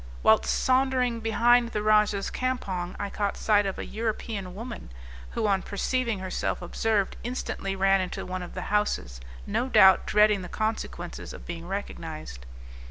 Whilst sauntering behind the rajah's campong I caught sight of an European woman, who on perceiving herself observed, instantly ran into one of the houses, no doubt dreading the consequences of being recognized.